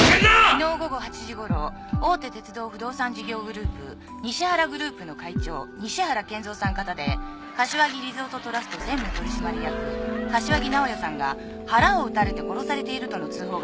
「昨日午後８時ごろ大手鉄道不動産事業グループ西原グループの会長西原建造さん方で柏木リゾートトラスト専務取締役柏木直哉さんが腹を撃たれて殺されているとの通報がありました。